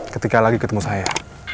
ketika lagi ketemu saya